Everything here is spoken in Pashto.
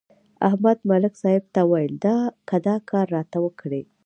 احمد ملک صاحب ته ویل: که دا کار راته وکړې.